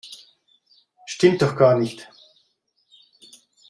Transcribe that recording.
Stimmt doch gar nicht!